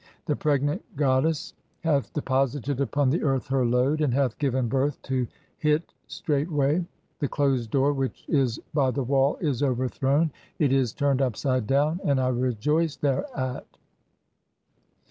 The pregnant goddess hath (39) deposited [upon "the earth] her load, and hath given birth to Hit straightway ; "the closed door which is by the wall is overthrown, (40) it is "turned upside down and I rejoice thereat.